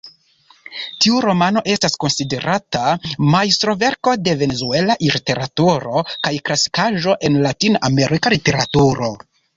Tiu romano estas konsiderata majstroverko de venezuela literaturo kaj klasikaĵo en Latin-Amerika literaturo.